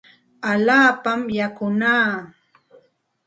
Allaapami yakunaa.